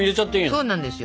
そうなんですよ。